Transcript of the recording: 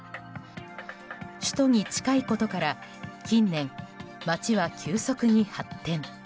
首都に近いことから近年、街は急速に発展。